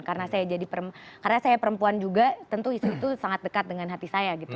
karena saya perempuan juga tentu itu sangat dekat dengan hati saya